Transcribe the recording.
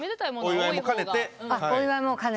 お祝いも兼ねてと。